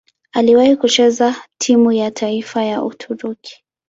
Aliwahi kucheza timu ya taifa ya Uturuki.